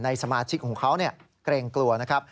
สมาชิกของเขาเกรงกลัวนะครับ